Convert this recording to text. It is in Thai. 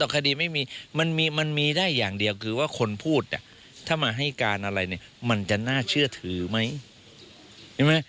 การอะไรเนี่ยมันจะน่าเชื่อถือไหม